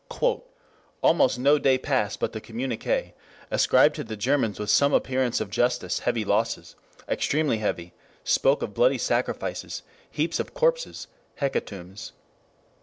"Almost no day passed but the communiqué.... ascribed to the Germans with some appearance of justice heavy losses, extremely heavy, spoke of bloody sacrifices, heaps of corpses, hecatombs.